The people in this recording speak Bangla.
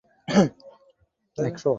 গাড়ি তো আমার চালানো উচিত, ম্যাডাম।